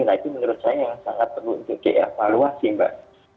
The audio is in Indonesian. nah itu menurut saya yang sangat perlu untuk dievaluasi mbak